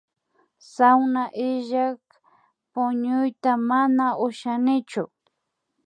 Sawna illak puñuyta mana ushanichu